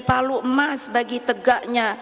palu emas bagi tegaknya